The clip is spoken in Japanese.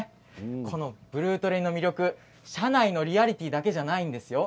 このブルートレインの魅力車内のリアリティーだけではないんですよ。